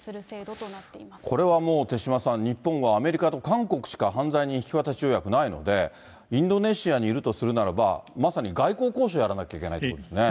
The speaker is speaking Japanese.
これはもう、手嶋さん、日本はアメリカと韓国しか犯罪人引渡条約ないので、インドネシアにいるとするならば、まさに外交交渉やらないといけないということですね。